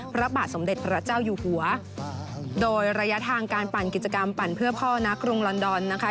พระบาทสมเด็จพระเจ้าอยู่หัวโดยระยะทางการปั่นกิจกรรมปั่นเพื่อพ่อนักกรุงลอนดอนนะคะ